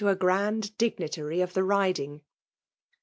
% grand dignitary fii thfi ridiqg.